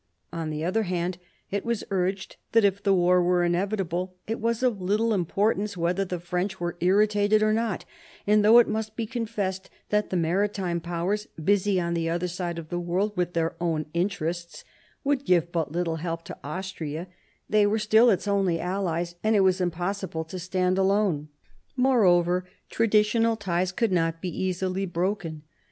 On the other hand, it was urged that if the war was inevitable, it was of little import ance whether the French were irritated or not; and though it must be confessed that the Maritime Powers, busy on the other side of the world with their own interests, would give but little help to Austria, they were still its only allies and it was impossible to stand alone. 102 MARIA THERESA chap, v Moreover, traditional ties could not be easily broken.